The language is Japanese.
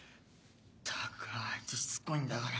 ったくあいつしつこいんだから。